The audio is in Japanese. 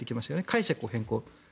解釈を変更。